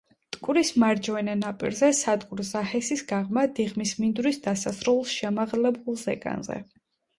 მტკვრის მარჯვენა ნაპირზე, სადგურ ზაჰესის გაღმა, დიღმის მინდვრის დასასრულს, შემაღლებულ ზეგანზე.